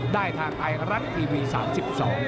ได้ทางไทยฮารักท์ทีวี๓๒